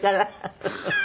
フフフフ。